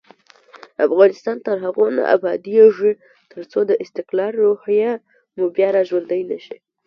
افغانستان تر هغو نه ابادیږي، ترڅو د استقلال روحیه مو بیا راژوندۍ نشي.